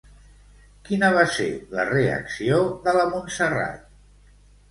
Quina va ser la reacció de la Montserrat?